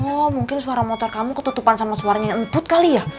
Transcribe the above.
oh mungkin suara motor kamu ketutupan sama suaranya yang emput kali ya